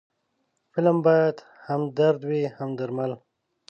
فلم باید هم درد وي، هم درمل